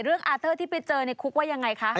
เรื่องอาร์เตอร์ที่ไปเจอในคุกว่ายังไงคะ